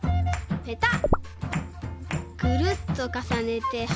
ペタッ！